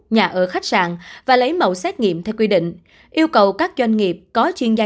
nhà ở khách sạn và lấy mẫu xét nghiệm theo quy định yêu cầu các doanh nghiệp có chuyên gia